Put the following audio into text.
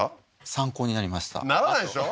参考になりましたならないでしょ？